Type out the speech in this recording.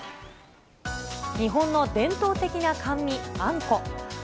日本の伝統的な甘味、あんこ。